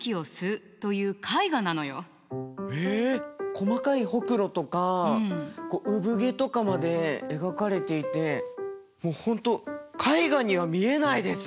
細かいホクロとか産毛とかまで描かれていてもう本当絵画には見えないです！